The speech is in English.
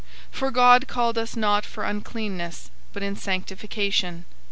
004:007 For God called us not for uncleanness, but in sanctification.